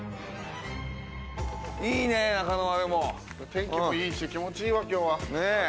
天気もいいし気持ちいいわ今日は。